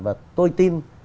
và tôi tin